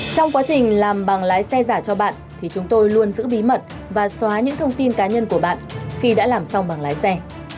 trong quá trình làm bằng lái xe giả cho bạn thì chúng tôi luôn giữ bí mật và xóa những thông tin cá nhân của bạn khi đã làm xong bằng lái xe